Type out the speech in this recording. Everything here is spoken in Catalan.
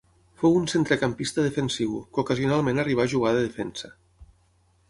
Fou un centrecampista defensiu, que ocasionalment arribà a jugar de defensa.